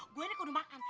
gue ini kudu makan